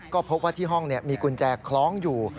ก็พบว่าที่ห้องมีกุญแจคล้องอยู่